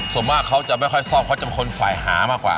ส่วนมากเขาจะไม่ค่อยซ่อมเขาจะเป็นคนฝ่ายหามากกว่า